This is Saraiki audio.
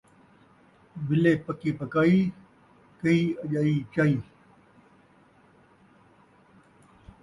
ملے پکی پکائی ، کہی چئی اجائی